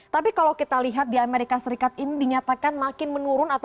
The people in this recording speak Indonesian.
tapi kalau kita lihat di amerika serikat ini dinyatakan makin menurun